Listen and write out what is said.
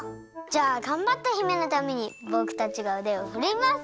じゃあがんばった姫のためにぼくたちがうでをふるいます！